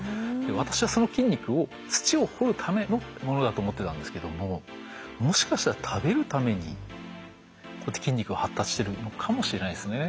私はその筋肉を土を掘るためのものだと思ってたんですけどももしかしたら食べるためにこうやって筋肉が発達してるのかもしれないですね。